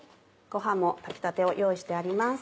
ご飯も炊きたてを用意してあります。